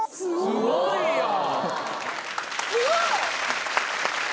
すごいやん。